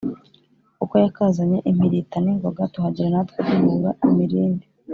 Uko yakazanye impirita n' ingoga, tuhagera na twe duhura imirindi